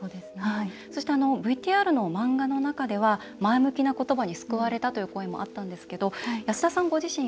そしてＶＴＲの漫画の中では前向きな言葉に救われたという声もあったんですけれども安田さん